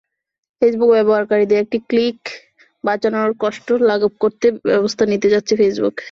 Facebook ব্যবহারকারীদের একটি click বাঁচানোর কষ্ট লাঘব করতে ব্যবস্থা নিতে যাচ্ছে ফেসবুক।